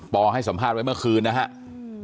ให้สัมภาษณ์ไว้เมื่อคืนนะครับ